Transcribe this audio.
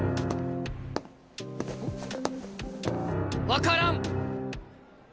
分からん。